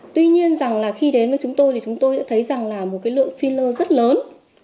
tuy nhiên rằng là khi đến với chúng tôi thì chúng tôi đã thấy rằng là một cái lượng filler rất lớn